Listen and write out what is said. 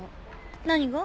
何が？